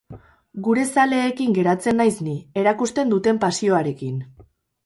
Gure zaleekin geratzen naiz ni, erakusten duten pasioarekin.